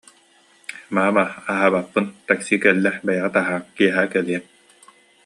Маама, аһаабаппын, такси кэллэ, бэйэҕит аһааҥ, киэһэ кэлиэм